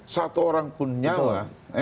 satu orang pun nyawa